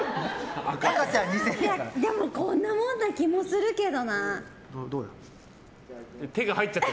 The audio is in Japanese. でもこんなもんな気もするけどな。